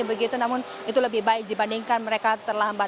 begitu namun itu lebih baik dibandingkan mereka terlambat